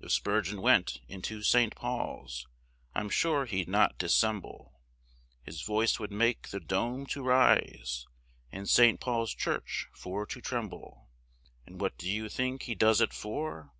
If Spurgeon went into St. Paul's, I'm sure he'd not dissemble, His voice would make the dome to rise, And St. Paul's church for to tremble. And what do you think he does it for?